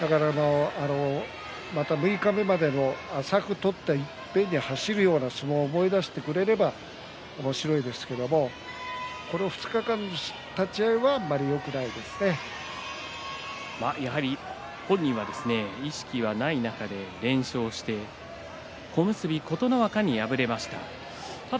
また六日目までの浅く取っていっぺんに走るような相撲を思い出してくれるとおもしろいんですけれどもこの２日間は立ち合いは本人は意識はない中で連勝して小結琴ノ若に敗れました。